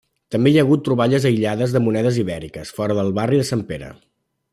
També hi ha hagut troballes aïllades de monedes ibèriques fora del barri de Sant Pere.